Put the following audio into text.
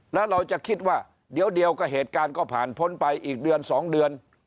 แล้วเราจะคิดว่าเดี๋ยวก็เหตุการณ์ก็ผ่านพ้นไปอีกเดือน๒เดือน